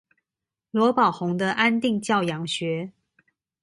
羅寶鴻的安定教養學